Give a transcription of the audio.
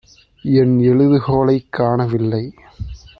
என் எழுதுகோலைக் காணவில்லை.